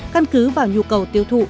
căn cứ vào nhu cầu tiêu thụ